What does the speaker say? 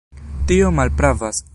Tio malpravas.